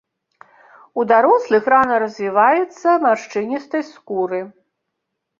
У дарослых рана развіваецца маршчыністасць скуры.